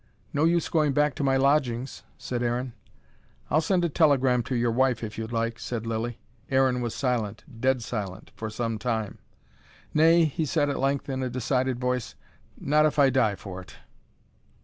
"No use going back to my lodgings," said Aaron. "I'll send a telegram to your wife if you like," said Lilly. Aaron was silent, dead silent, for some time. "Nay," he said at length, in a decided voice. "Not if I die for it."